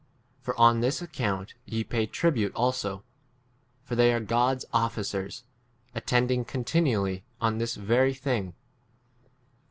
For on this account ye pay tribute also ; for they are God's officers, attending continually on this very thing.